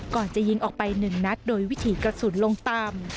ก่อนจะยิงออกไป๑นัดโดยวิถีกระสุนลงตาม